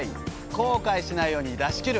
後悔しないように出し切る。